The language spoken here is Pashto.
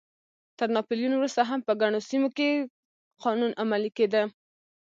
تر ناپلیون وروسته هم په ګڼو سیمو کې قانون عملی کېده.